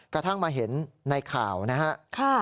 กระทั่งมาเห็นในข่าวนะครับ